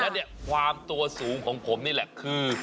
แล้วเนี่ยความตัวสูงของผมนี่แหละคือ